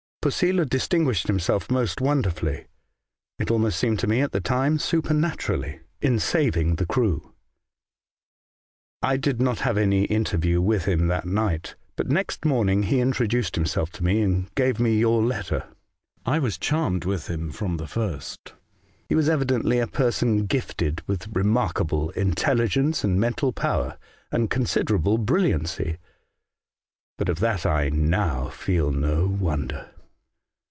Posela dis tinguished himself most wonderfully — it almost seemed to me at the time supernaturally — in saving the crew. I did not have any interview with him that night, but next morning he introduced himself to me, and gave me your letter. " I was charmed with him from the first. He was evidently a person gifted with remark able intelligence and mental power, and con siderable brilliancy ; but of that I now feel no wonder.